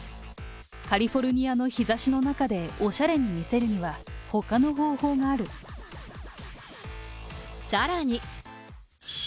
カリフォルニアの日ざしの中でおしゃれに見せるには、ほかの方法さらに。